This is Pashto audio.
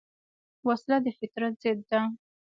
وسله د فطرت ضد ده